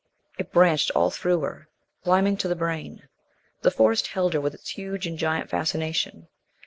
It branched all through her, climbing to the brain. The Forest held her with its huge and giant fascination.